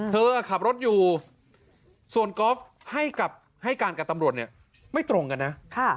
ขับรถอยู่ส่วนกอล์ฟให้กับให้การกับตำรวจเนี่ยไม่ตรงกันนะ